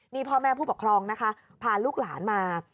นี่พ่อแม่ผู้ปกครองนะคะพาลูกหลานมา